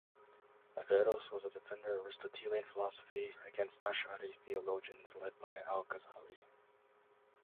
Averroes was a defender of Aristotelian philosophy against Ash'ari theologians led by Al-Ghazali.